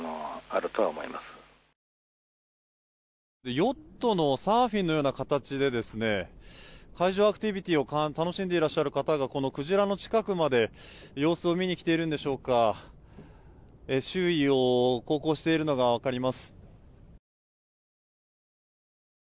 ヨットのサーフィンのような形で海上アクティビティーを楽しんでいらっしゃる方がこのクジラの近くまで様子を見に来ているんでしょうか周囲を航行しているのが分かります。